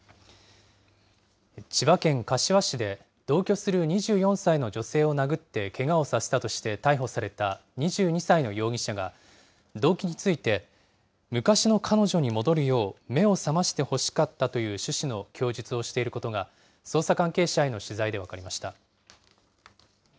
千葉県柏市で、同居する２４歳の女性を殴ってけがをさせたとして逮捕された２２歳の容疑者が、動機について、昔の彼女に戻るよう、目を覚ましてほしかったという趣旨の供述をしていることが、捜査関係者への取材で分かりました。